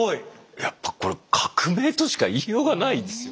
やっぱこれ革命としか言いようがないですよ。